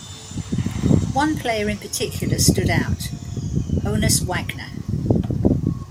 One player in particular stood out--Honus Wagner.